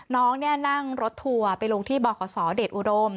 น้องนั่งรถทัวร์ไปลงที่บขศเดชอุดม